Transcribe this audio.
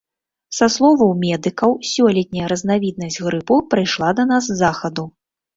Са словаў медыкаў, сёлетняя разнавіднасць грыпу прыйшла да нас з захаду.